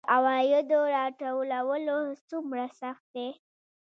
د عوایدو راټولول څومره سخت دي؟